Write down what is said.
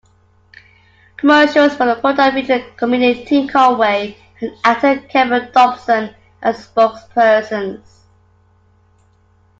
Commercials for the product featured comedian Tim Conway and actor Kevin Dobson as spokespersons.